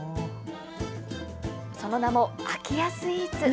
その名も、空き家スイーツ。